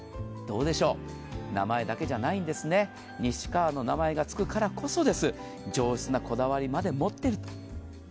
名前だけじゃないんですね、西川の名前がつくからこそ、上質なこだわりまで持ってると。